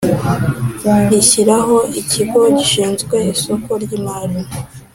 rishyiraho Ikigo gishinzwe isoko ry imari